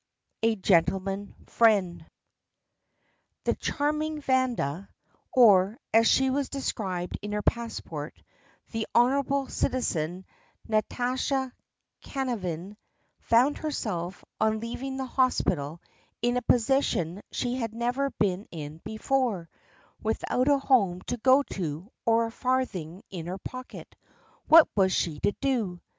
A GENTLEMAN FRIEND THE charming Vanda, or, as she was described in her passport, the "Honourable Citizen Nastasya Kanavkin," found herself, on leaving the hospital, in a position she had never been in before: without a home to go to or a farthing in her pocket. What was she to do?